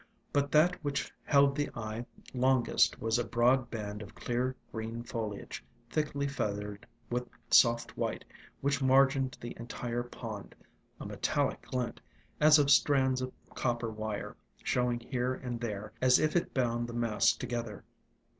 But that which held the eye longest was a broad band of clear green foliage, thickly feath ered with soft white, which margined the entire pond, a metallic glint, as of strands of copper wire, showing here and there as if it bound the mass together.